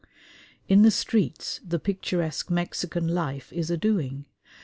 In the streets the picturesque Mexican life is a doing.